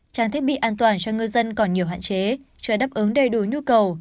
trang thiết bị an toàn cho ngư dân còn nhiều hạn chế chưa đáp ứng đầy đủ nhu cầu